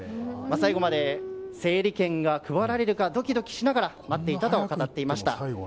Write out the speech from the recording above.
最後まで整理券が配られるかドキドキしながら待っていたと語っていました。